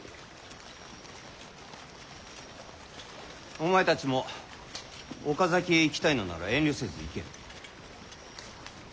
お前たちも岡崎へ行きたいのなら遠慮せず行け。